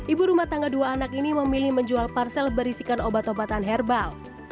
ibu rumah tangga dua anak ini memilih menjual parsel berisikan obat obatan herbal